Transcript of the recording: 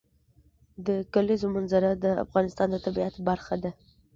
د کلیزو منظره د افغانستان د طبیعت برخه ده.